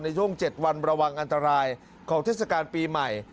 ในช่วง๗วันระวังอันตรายของเทศกาลปีใหม่